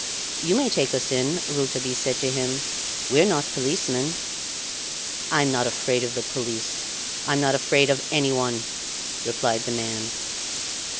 "You may take us in," Rouletabille said to him, "we are not policemen." "I'm not afraid of the police I'm not afraid of anyone!" replied the man.